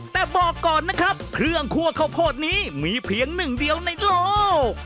แต่บอกก่อนนะครับเครื่องคั่วข้าวโพดนี้มีเพียงหนึ่งเดียวในโลก